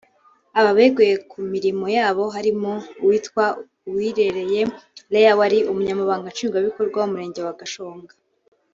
Aba beguye ku mirimo yabo harimo uwitwa Uwirereye Lea wari Umunyamabanga Nshingwabikorwa w’Umurenge wa Gashonga